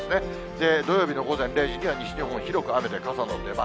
で、土曜日の午前０時には西日本、広く雨で傘の出番。